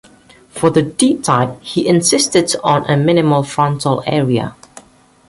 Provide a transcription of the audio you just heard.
For the D-Type, he insisted on a minimal frontal area.